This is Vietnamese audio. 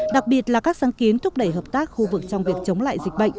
đặc biệt là các sáng kiến thúc đẩy hợp tác khu vực trong việc chống lại dịch bệnh